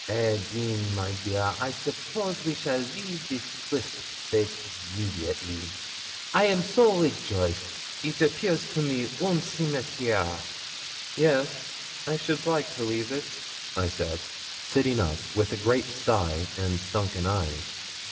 Eh bien, my dear. I suppose we shall leave this triste place immediately. I am so rejoice. It appears to me un cimetière!' 'Yes, I should like to leave it,' I said, sitting up, with a great sigh and sunken eyes.